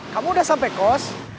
kamu udah sampe kos